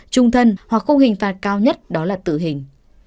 trung thân hoặc không hình phạt cao nhất đó là tử hình